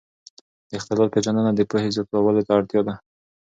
د اختلال پېژندنه د پوهې زیاتولو ته اړتیا لري.